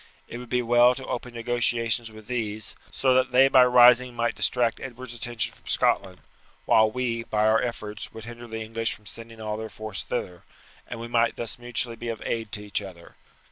It would be well to open negotiations with these, so that they by rising might distract Edward's attention from Scotland, while we, by our efforts, would hinder the English from sending all their force thither, and we might thus mutually be of aid to each other.